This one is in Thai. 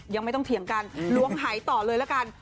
ยังไม่ต้องเถียงกันล้วงหายต่อเลยละกัน